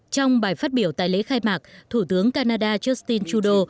trong bài phát biểu tại lễ khai mạc thủ tướng canada justin trudeau